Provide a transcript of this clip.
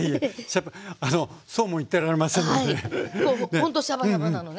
ほんとシャバシャバなのね。